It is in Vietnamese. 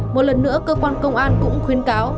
một lần nữa cơ quan công an cũng khuyên cáo